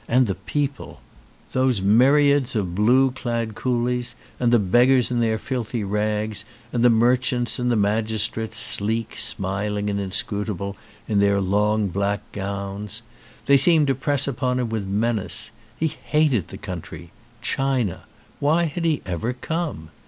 And the people. Those 202 THE TAIPAN myriads of blue clad coolies, and the beggars in their filthy rags, and the merchants and the magis trates, sleek, smiling, and inscrutable, in their long black gowns. They seemed to press upon him with menace. He hated the country. China. Why had he ever come?